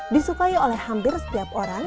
disukai oleh hampir setiap orang